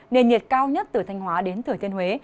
nền nhiệt cao nhất từ thanh hóa đến thừa thiên huế